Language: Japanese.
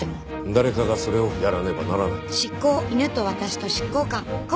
「誰かがそれをやらねばならない」